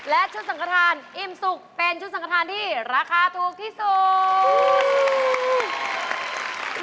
และชุดสังขทานอิ่มสุกเป็นชุดสังขทานที่ราคาถูกที่สุด